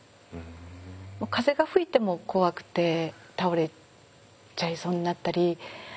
風が吹いても怖くて倒れちゃいそうになったり。